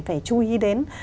phải chú ý đến